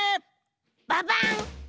ババン！